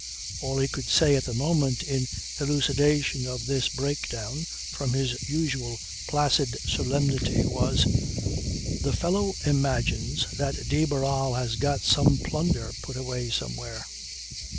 All he could say at the moment in elucidation of this breakdown from his usual placid solemnity was: "The fellow imagines that de Barral has got some plunder put away somewhere."